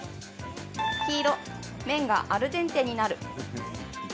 黄色・麺がアルデンテになる。